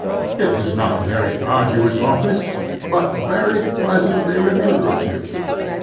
It was not a very arduous office, but very pleasantly remunerative.